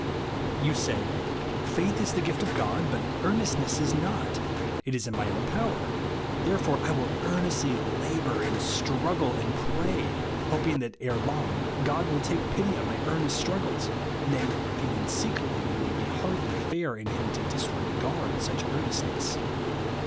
You say. Faith is the gift of God, but earnestness is not ; it is in my own power ; therefore I will earnestly labour, and struggle, and pray, hoping that ere long God will take pity on my earnest struggles, nay, feeling secretly that it would be hardly fair in him to disregard such earnestness.